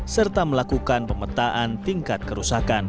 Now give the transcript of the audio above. serta melakukan pemetaan tingkat kerusakan